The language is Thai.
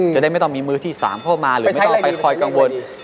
จะได้ไม่ต้องมีมือที่๓เข้ามาหรือไม่ต้องไปคอยกังวล